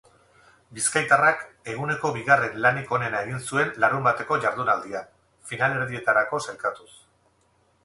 Bizkaitarrak eguneko bigarren lanik onena egin zuen larunbateko jardunaldian, finalerdietarako sailkatuz.